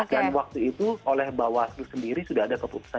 dan waktu itu oleh bawah itu sendiri sudah ada keputusan